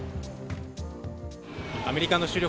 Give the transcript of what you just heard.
アメリカの主力